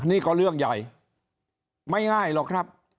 นี่ก็เรื่องใหญ่ไม่ง่ายหรอกครับ